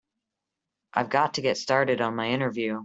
I've got to get started on my interview.